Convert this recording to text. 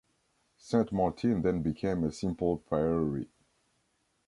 Saint-Martin then became a simple priory.